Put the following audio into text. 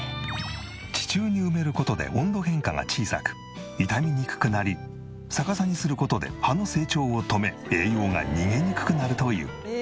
地中に埋める事で温度変化が小さく傷みにくくなり逆さにする事で葉の成長を止め栄養が逃げにくくなるという。